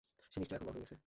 সে নিশ্চয়ই এখন বড় হয়ে গেছে।